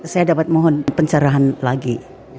saya dapat mohon pencerahan lagi